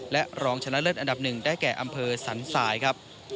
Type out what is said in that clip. และรองชนะเลิศอันดับหนึ่งได้แก่อำเภอสันสายครับ